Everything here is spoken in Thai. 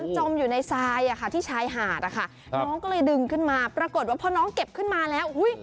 จมอยู่ในทรายที่ชายหาดนะคะน้องก็เลยดึงขึ้นมาปรากฏว่าพอน้องเก็บขึ้นมาแล้ว